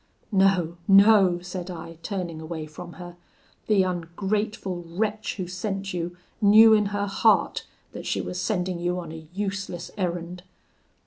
'No, no,' said I, turning away from her; 'the ungrateful wretch who sent you knew in her heart that she was sending you on a useless errand.